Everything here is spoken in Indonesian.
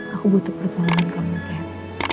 aku butuh pertolongan kamu kat